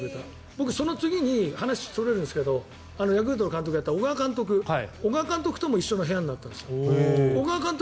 僕その次に話がそれるんですけどヤクルトの監督をやっていた小川監督とも一緒の部屋になったんです。